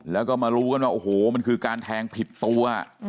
แล้วก็มารู้กันว่าโอ้โหมันคือการแทงผิดตัว